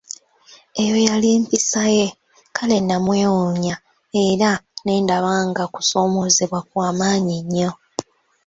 Eyo yali mpisa ye, kale namwewuunya era ne ndaba nga kusomoozebwa kwamaanyi nnyo.